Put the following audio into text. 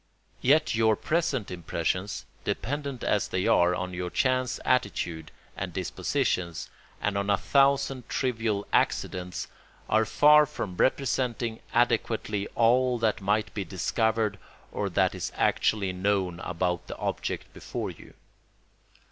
Yet your present impressions, dependent as they are on your chance attitude and disposition and on a thousand trivial accidents, are far from representing adequately all that might be discovered or that is actually known about the object before you.